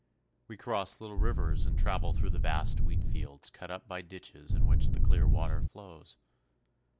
We cross little rivers and travel through vast wheat fields cut up by ditches in which the clear water flows.